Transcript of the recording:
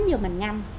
rồi mình ngâm